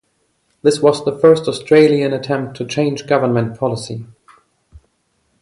This was the first Australian attempt to change government policy.